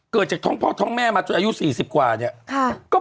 เกิดจากท้องพ่อและท้องแม่มาจนถึงอายุ๔๐กว่าเนี่ย